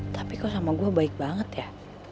tapi kok sama gue baik banget ya